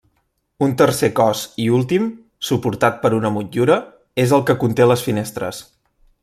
Un tercer cos i últim, suportat per una motllura, és el que conté les finestres.